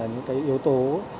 những cái yếu tố